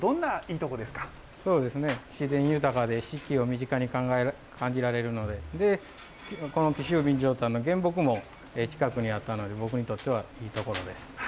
そうですね、自然豊かで、四季を身近に感じられるので、で、この紀州備長炭の原木も近くにあったので、僕にとっては、いい所です。